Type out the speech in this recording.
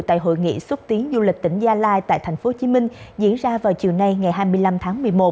tại hội nghị xúc tiến du lịch tỉnh gia lai tại tp hcm diễn ra vào chiều nay ngày hai mươi năm tháng một mươi một